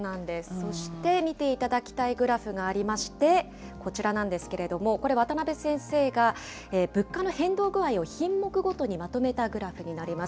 そして見ていただきたいグラフがありまして、こちらなんですけれども、これ、渡辺先生が物価の変動具合を品目ごとにまとめたグラフになります。